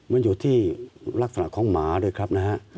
มันอยู่ที่ลักษณะของหมาด้วยครับนะฮะ